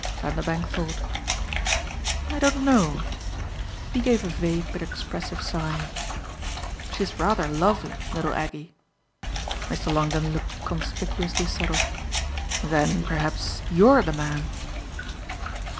Vanderbank thought. "I don't know." He gave a vague but expressive sigh. "She's rather lovely, little Aggie." Mr. Longdon looked conspicuously subtle. "Then perhaps YOU'RE the man!"